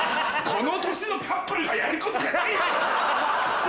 この年のカップルがやることじゃない。